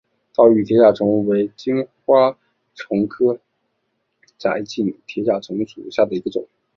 岛屿铁甲虫为金花虫科窄颈铁甲虫属下的一个种。